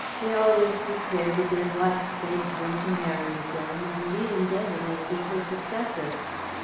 They always declare the dead wife begged them to marry again, and even designated her successor.